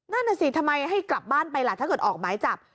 นั่นน่ะสิทำไมให้กลับบ้านไปล่ะถ้าเกิดออกหมายจับ